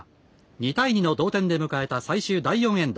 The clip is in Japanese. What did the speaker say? ２対２の同点で迎えた最終第４エンド。